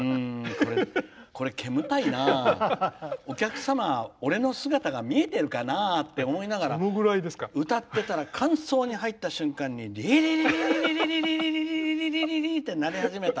これ煙たいな、お客様俺の姿が見えてるかな？って思いながら歌ってたら間奏に入った瞬間にリリリリーンって鳴り始めた。